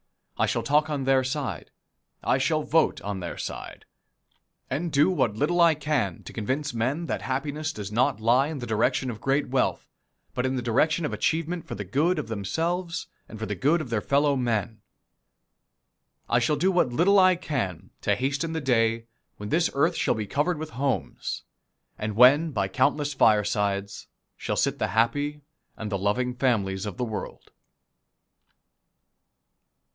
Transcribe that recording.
I shall talk on their side, I shall vote on their side, and do what little I can to convince men that happiness does not lie in the direction of great wealth, but in the direction of achievement for the good of themselves and for the good of their fellow men. I shall do what little I can to hasten the day when this earth shall be covered with homes, and when by countless firesides shall sit the happy and the loving families of the world.